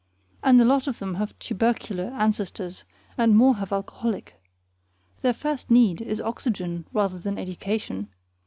and a lot of them have tubercular ancestors, and more have alcoholic. Their first need is oxygen rather than education.